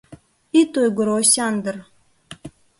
— Ит ойгыро, Осяндр.